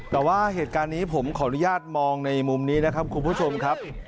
แต่ว่าเหตุการณ์นี้ผมขออนุญาตมองในมุมนี้นะครับคุณผู้ชมครับ